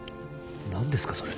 何ですか？